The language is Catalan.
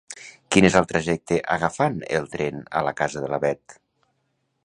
Quin és el trajecte agafant el tren a la casa de la Beth?